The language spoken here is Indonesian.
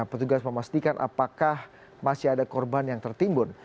petugas memastikan apakah masih ada korban yang tertimbun